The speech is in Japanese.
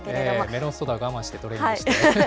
メロンソーダ我慢してトレーニングしてね。